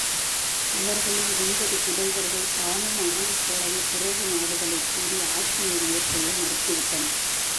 அவர்களுள் ஒன்பது புதல்வர்கள், தாமும் அவனைப் போலவே துறவு நாடுதலைக் கூறி ஆட்சியை மேற்கொள்ள மறுத்துவிட்டனர்.